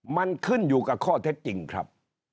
มันขึ้นอยู่กับข้อเท็จจริงครับ